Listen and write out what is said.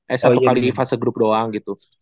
eh satu kali di fase grup doang gitu